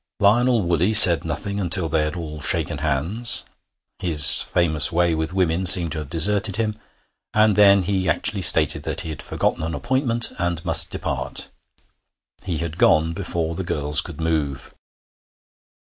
Lionel Woolley said nothing until they had all shaken hands his famous way with women seemed to have deserted him and then he actually stated that he had forgotten an appointment, and must depart. He had gone before the girls could move.